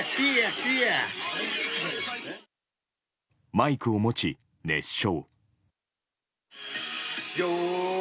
マイクを持ち熱唱。